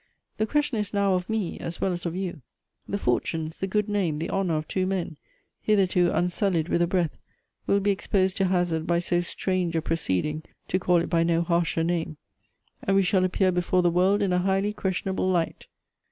The question is now of me as well as of you. The fortunes, the good name, the honor of two men, hitherto unsullied with a breath, will be exposed to hazard by so strange a proceeding, to call it by no harsher name, and we shall appear before the world in a highly questionable light."